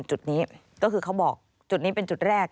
จุดนี้ก็คือเขาบอกจุดนี้เป็นจุดแรก